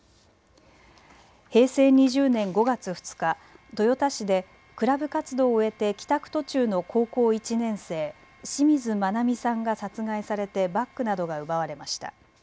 平成２０年５月２日、豊田市でクラブ活動を終えて帰宅途中の高校１年生、清水愛美さんが殺害されてバッグなどが奪われました。